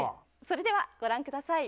それではご覧ください。